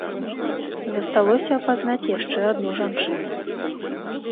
Засталося апазнаць яшчэ адну жанчыну.